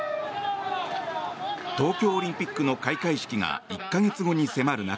東京オリンピックの開会式が１か月後に迫る中